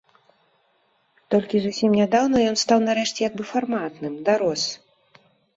Толькі зусім нядаўна ён стаў нарэшце як бы фарматным, дарос.